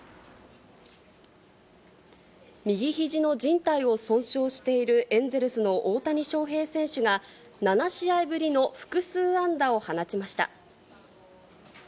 右ひじのじん帯を損傷しているエンゼルスの大谷翔平選手が、７試合ぶりの複数安打を放ちました。